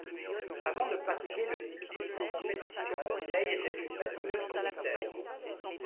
Avant de pratiquer le cyclisme en compétition, Lay était une patineuse de vitesse.